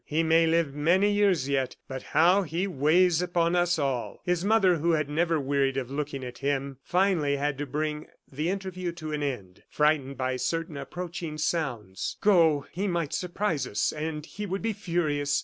"He may live many years yet, but how he weighs upon us all!" His mother, who had never wearied of looking at him, finally had to bring the interview to an end, frightened by certain approaching sounds. "Go, he might surprise us, and he would be furious."